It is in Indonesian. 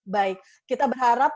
baik kita berharap